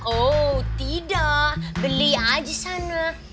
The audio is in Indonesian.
oh tidak beli aja sanak